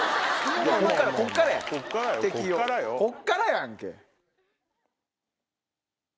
こっからやんけ。